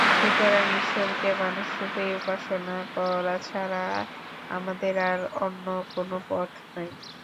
সুতরাং ঈশ্বরকে মানুষরূপেই উপাসনা করা ছাড়া আমাদের আর অন্য কোন পথ নাই।